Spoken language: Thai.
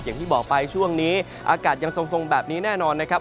อย่างที่บอกไปช่วงนี้อากาศยังทรงแบบนี้แน่นอนนะครับ